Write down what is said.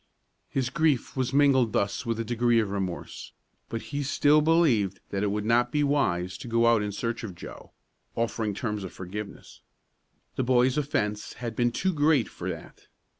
His grief was mingled thus with a degree of remorse; but he still believed that it would not be wise to go out in search of Joe, offering terms of forgiveness. The boy's offence had been too great for that.